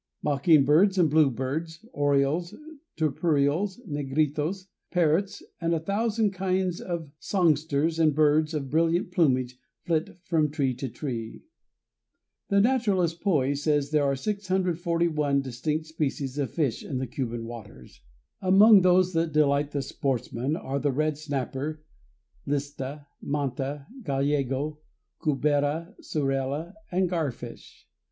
Mockingbirds and blue birds, orioles, turpials, negritos, parrots, and a thousand kinds of songsters and birds of brilliant plumage flit from tree to tree. The naturalist Poey says there are 641 distinct species of fish in the Cuban waters. Among those that delight the sportsman are the red snapper, lista, manta, gallego, cubera, surela, and garfish.